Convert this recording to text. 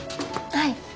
はい。